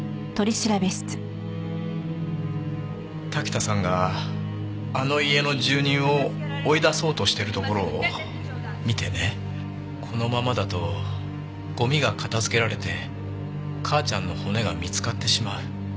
滝田さんがあの家の住人を追い出そうとしてるところを見てねこのままだとゴミが片づけられて母ちゃんの骨が見つかってしまう。